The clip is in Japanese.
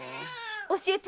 教えて。